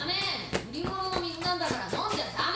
売り物の水なんだから飲んじゃダメ！